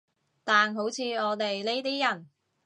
但好似我哋呢啲人